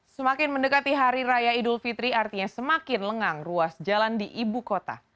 semakin mendekati hari raya idul fitri artinya semakin lengang ruas jalan di ibu kota